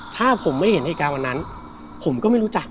ถ้าผมไม่เห็นเหตุการณ์วันนั้นผมก็ไม่รู้จัก